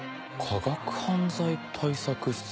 「科学犯罪対策室」。